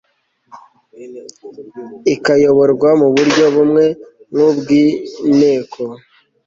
ikayoborwa mu buryo bumwe nk ubw Inteko